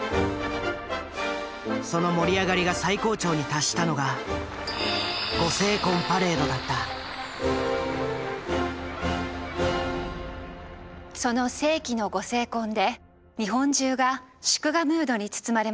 その盛り上がりが最高潮に達したのがその世紀のご成婚で日本中が祝賀ムードに包まれました。